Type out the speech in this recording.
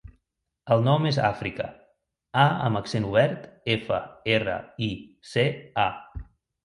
El nom és Àfrica: a amb accent obert, efa, erra, i, ce, a.